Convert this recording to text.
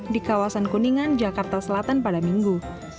di kawasan kuningan jakarta selatan pada minggu